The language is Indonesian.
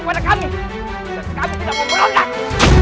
kau dapat teman teman sekolah polis